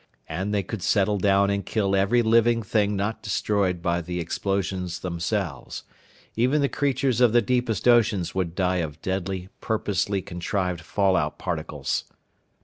And they could settle down and kill every living thing not destroyed by the explosions themselves. Even the creatures of the deepest oceans would die of deadly, purposely contrived fallout particles.